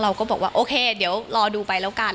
เราก็บอกว่าโอเคเดี๋ยวรอดูไปแล้วกัน